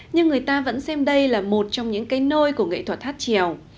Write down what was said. nhưng người ta vẫn xem đây là một trong những cây nôi của nghệ thuật hát trèo